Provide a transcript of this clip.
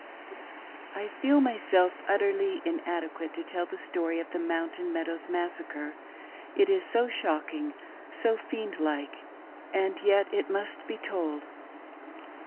I FEEL myself utterly inadequate to tell the story of the Mountain Meadows' Massacre— it is so shocking, so fiqnd like. And yet it must be told.